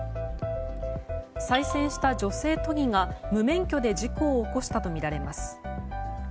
再選した女性都議が無免許で事故を起こしたとみられます。